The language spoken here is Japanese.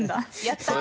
やった！